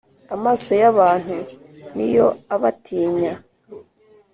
Amaso y’abantu ni yo aba atinya,